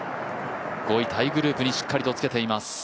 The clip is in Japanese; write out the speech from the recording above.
５位タイグループにしっかりとつけています。